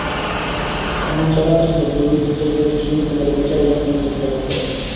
এখন চ্যালেঞ্জ হলো দুর্বৃত্তদের চিহ্নিত করে বিচারের জন্য সোপর্দ করতে পারা।